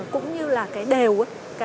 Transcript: cũng như là cái đều